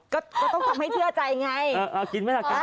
ก็ต้องทำให้เชื่อใจไง